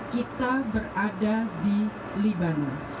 kita berada di libanon